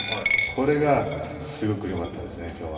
これがすごくよかったですね、きょうは。